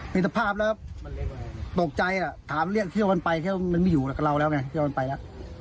มีสภาพแล้วตกใจอ่ะถามเรียกเข้ามาไปเข้ามันไม่อยู่กับเราแล้วไงเข้ามาไปอ่ะ